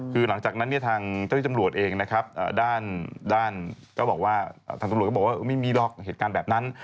คือหลังจากนั้นทางเจ้าวิจัยจำรวจเองนะครับทางจำรวจก็บอกว่าไม่มีหรอกเหตุการณ์แบบนั้น